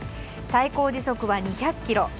最高時速は２００キロ